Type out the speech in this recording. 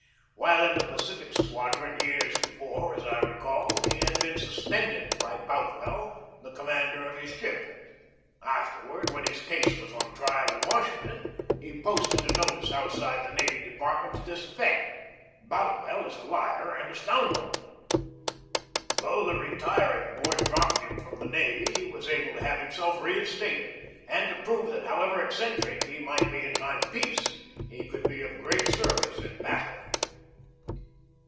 While in the Pacific Squadron years before, as I recall, he had been suspended by Boutwell, the commander of his ship. Afterward, when his case was on trial in Washington, he posted a notice out side the Navy Department to this effect: "Bout well is a liar and a scoundrel." Though the Retir ing Board dropped him from the navy, he was able to have himself reinstated, and to prove that, how ever eccentric he might be in time of peace, he could be of great service in battle.